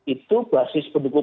itu basis pendukung